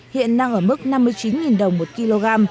hiện đang ở mức năm mươi chín đồng một kg